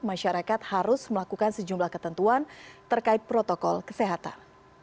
masyarakat harus melakukan sejumlah ketentuan terkait protokol kesehatan